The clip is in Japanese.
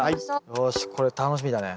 よしこれ楽しみだね。